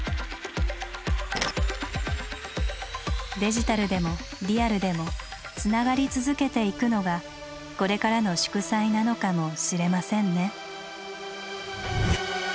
デジタルでもリアルでもつながり続けていくのがこれからの「祝祭」なのかもしれませんね。